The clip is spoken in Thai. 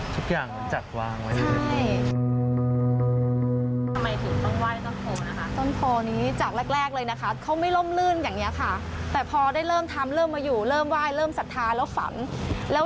ทุกอย่างเหมือนจัดวางไว้เลยค่ะค่ะ